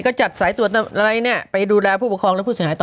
ก็จัดสายตรวจอะไรเนี่ยไปดูแลผู้ปกครองและผู้เสียหายต่อ